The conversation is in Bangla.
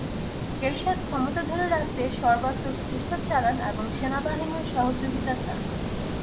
এরশাদ ক্ষমতা ধরে রাখতে সর্বাত্মক চেষ্টা চালান এবং সেনাবাহিনীর সহযোগিতা চান।